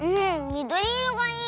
みどりいろがいい！